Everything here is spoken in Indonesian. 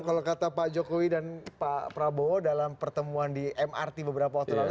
kalau kata pak jokowi dan pak prabowo dalam pertemuan di mrt beberapa waktu lalu